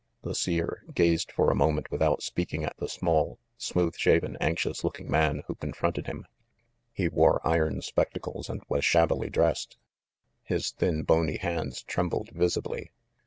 The Seer gazed for a moment without speaking at the small, smooth shaven, anxious looking man who confronted him. He wore iron spectacles and was shabbily dressed. His thin bony hands trembled visibly.